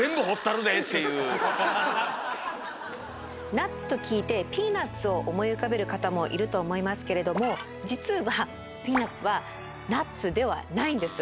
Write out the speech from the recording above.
ナッツと聞いてピーナツを思い浮かべる方もいると思いますけれどもじつはピーナツはナッツではないんです。